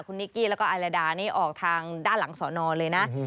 คุณนิกกี้แล้วก็ไอลาดานี่ออกทางด้านหลังสอนอเลยนะ